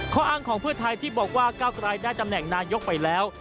ข้ออ้างของเพื่อไทยที่บอกว่าก้าวกลายได้ตำแหน่งนายกไปแล้ว